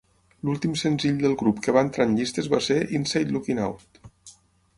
L'últim senzill del grup que va entrar en llistes va ser "Inside Looking Out".